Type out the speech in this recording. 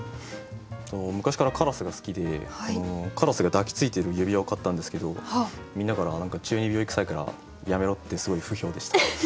昔からカラスが好きでカラスが抱きついてる指輪を買ったんですけどみんなから何か中二病くさいからやめろってすごい不評でした。